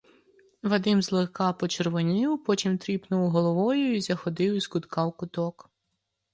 Вадим злегка почервонів, потім тріпнув головою й заходив із кутка в куток.